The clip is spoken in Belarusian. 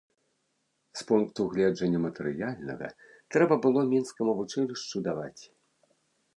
З пункту гледжання матэрыяльнага, трэба было мінскаму вучылішчу даваць.